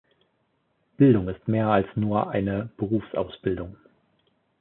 Bildung ist mehr als nur eine Berufsausbildung.